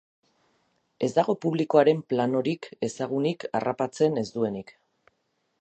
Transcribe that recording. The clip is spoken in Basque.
Ez dago publikoaren planorik ezagunik harrapatzen ez duenik.